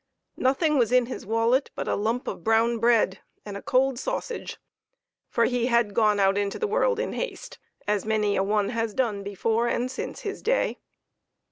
Nothing was in his wallet but a lump of brown bread and a cold sausage, for he had gone out into the world in haste, as many a one has done before and since his day.